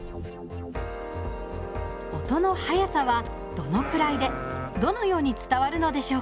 音の速さはどのくらいでどのように伝わるのでしょうか。